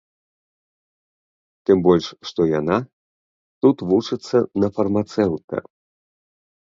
Тым больш што яна тут вучыцца на фармацэўта.